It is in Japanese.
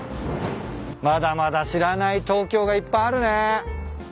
まだまだ知らない東京がいっぱいあるね。